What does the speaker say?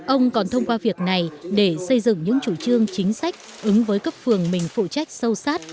ông còn thông qua việc này để xây dựng những chủ trương chính sách ứng với cấp phường mình phụ trách sâu sát